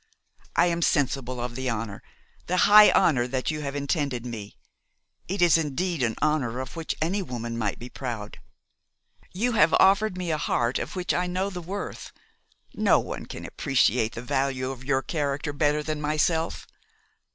I am sensible of the honour, the high honour that you have intended me. It is indeed an honour of which any woman might be proud. You have offered me a heart of which I know the worth. No one can appreciate the value of your character better than myself.